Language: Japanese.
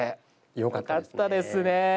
よかったですね。